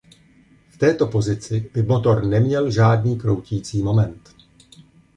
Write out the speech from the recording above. V této pozici by motor neměl žádný kroutící moment.